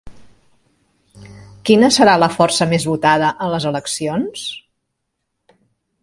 Quina serà la força més votada en les eleccions?